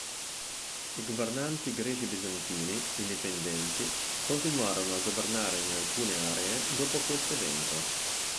I governanti greci bizantini indipendenti continuarono a governare in alcune aree dopo questo evento.